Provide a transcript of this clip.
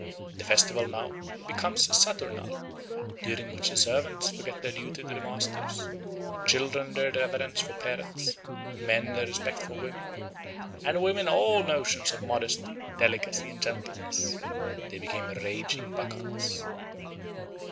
The festival now "becomes a saturnale, during which servants forget their duty to their masters, children their reverence for parents, men their respect for women, and women all notions of modesty, delicacy, and gentleness; they become raging bacchantes."